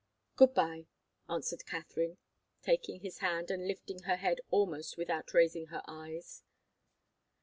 "Good bye," answered Katharine, taking his hand, and lifting her head almost without raising her eyes.